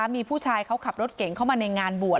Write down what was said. มีผู้ชายเขาขับรถเก่งเข้ามาในงานบวช